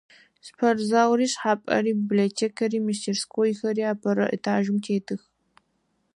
Спортзалри, шхапӏэри, библиотекэри, мастерскойхэри апэрэ этажым тетых.